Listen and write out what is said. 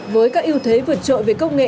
với các ưu thế vượt trội về công nghệ